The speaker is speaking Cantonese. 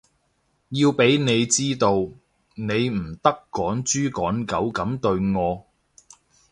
要畀你知道，你唔得趕豬趕狗噉對我